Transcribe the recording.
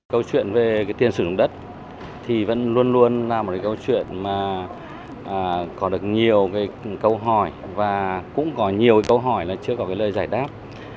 câu chuyện về tiền sử dụng đất thì vẫn luôn luôn là một câu chuyện mà có được nhiều cái câu hỏi và cũng có nhiều câu hỏi là chưa có lời giải đáp